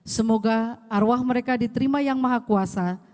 semoga arwah mereka diterima yang maha kuasa